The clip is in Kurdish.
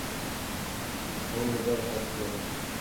Hûn li ber xwe dikevin.